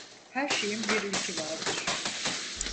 Her şeyin bir ilki vardır.